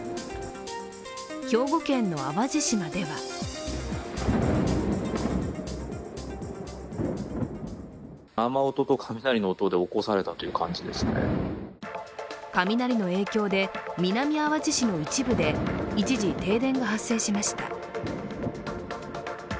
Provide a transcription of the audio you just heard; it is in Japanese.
兵庫県の淡路島では雷の影響で南あわじ市の一部で一時、停電が発生しました。